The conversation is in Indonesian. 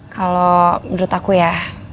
kalau menurut aku ya